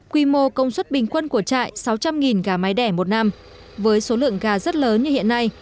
quy mô công suất bình quân của trại sáu trăm linh gà mái đẻ một năm với số lượng gà rất lớn như hiện nay